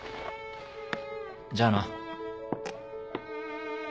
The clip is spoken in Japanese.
じゃあな。